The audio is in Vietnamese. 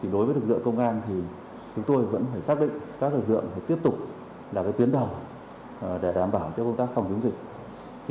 đối với lực lượng công an thì chúng tôi vẫn phải xác định các lực lượng phải tiếp tục là tuyến đầu để đảm bảo cho công tác phòng chống dịch